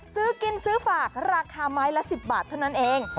ซื้อกินซื้อฝากราคาไม้ละ๑๐บาทเท่านั้นเอง